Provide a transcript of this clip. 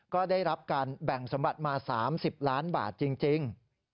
ก็ได้รับการแบ่งสมบัติมา๓๐ล้านบาทจริง